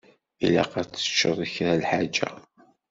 Ilaq ad teččeḍ kra n lḥaǧa.